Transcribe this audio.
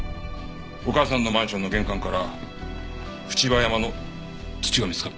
お母さんのマンションの玄関から朽葉山の土が見つかった。